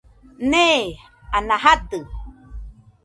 Nee, ana jadɨ